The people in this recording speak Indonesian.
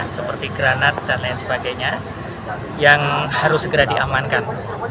seperti granat dan lain sebagainya yang harus segera diamankan